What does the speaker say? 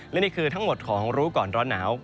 และนี่คือทั้งหมดของรู้ก่อนร้อนหนาว